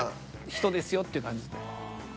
人ですよっていう感じで。